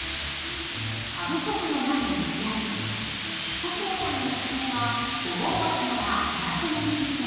星野さんおすすめは５号鉢なら２００ｍｌ